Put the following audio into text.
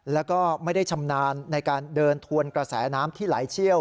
แล้วก็ไม่ได้ชำนาญในการเดินทวนกระแสน้ำที่ไหลเชี่ยว